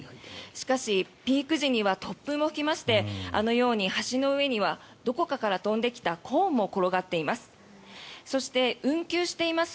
しかし、ピーク時には突風も吹きましてあのように橋の上にはどこかから飛んできたコーンも転がっています。